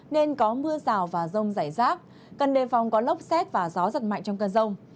nên có mưa rào và rông rải rác cần đề phòng có lốc xét và gió giật mạnh trong cơn rông